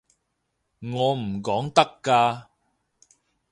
我唔講得㗎